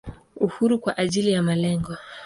Uhuru kwa ajili ya malengo.